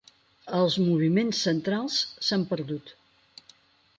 Els moviments centrals s'han perdut.